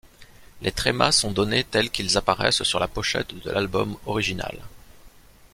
Les trémas sont donnés tels qu'ils apparaissent sur la pochette de l'album original.